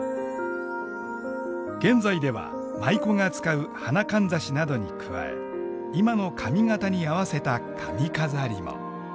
現在では舞妓が使う花かんざしなどに加え今の髪形に合わせた髪飾りも。